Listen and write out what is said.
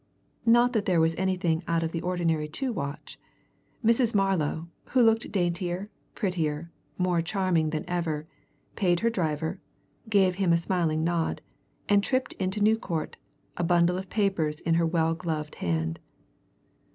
Not that there was anything out of the ordinary to watch. Mrs. Marlow, who looked daintier, prettier, more charming than ever, paid her driver, gave him a smiling nod, and tripped into New Court, a bundle of papers in her well gloved hand.